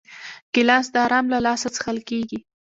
ګیلاس د آرام له لاسه څښل کېږي.